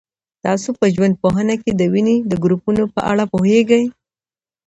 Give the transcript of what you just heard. تاسو په ژوندپوهنه کي د وینې د ګروپونو په اړه پوهېږئ؟